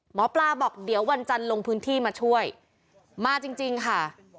หมอปลาบอกเดี๋ยววันจันทร์ลงพื้นที่มาช่วยมาจริงจริงค่ะ